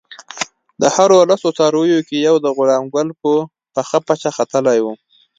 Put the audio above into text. د هرو لسو څارویو کې یو د غلام ګل په پخه پچه ختلی وو.